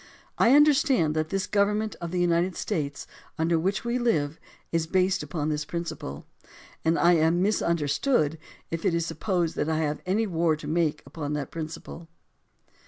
I understand that this Government of the United States under which we live is based upon this principle; and I am misunderstood if it is supposed that I have any war to make upon that principle.